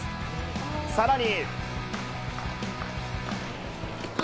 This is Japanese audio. さらに。